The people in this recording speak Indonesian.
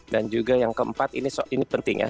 dan juga yang keempat ini penting ya